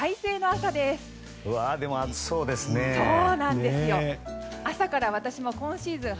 朝から私も今シーズン